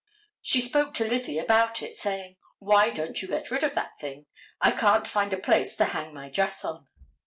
She spoke to Lizzie about it, saying, "Why don't you get rid of that thing. I can't find a place to hang my dress on?"